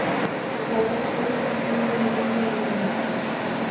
Sizdagi cho‘g‘ taxminan nimada namoyon?